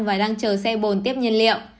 và đang chờ xe bồn tiếp nhân liệu